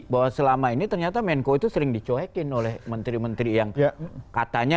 bahwa selama ini ternyata menko itu sering dicoekin oleh menteri menteri yang katanya